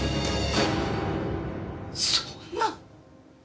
そんな。